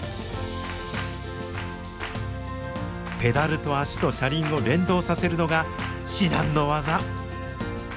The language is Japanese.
ペダルと足と車輪を連動させるのが至難の業。